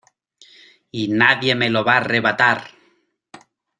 Y nadie me lo va a arrebatar.